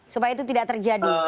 supaya itu tidak terjadi